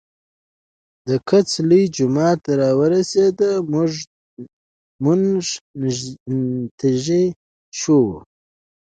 د کڅ لوے جومات راورسېدۀ مونږ تږي شوي وو